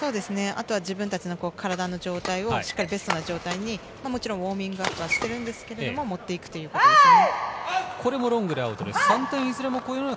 自分たちの体をベストな状態にもちろんウオーミングアップはしてるんですけど持っていくということですね。